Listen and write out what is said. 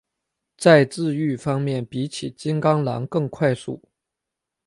在自愈方面比起金钢狼更快速。